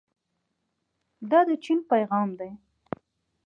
دا د چین پیغام دی.